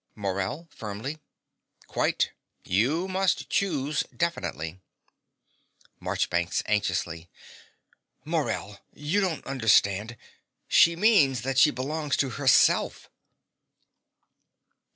MORELL (firmly). Quite. You must choose definitely. MARCHBANKS (anxiously). Morell: you don't understand. She means that she belongs to herself.